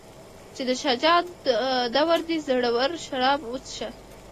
چې د شاه شجاع دور دی زړور شراب وڅښه.